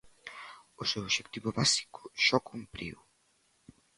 O seu obxectivo básico xa o cumpriu.